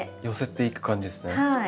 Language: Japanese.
寄せていく感じですね。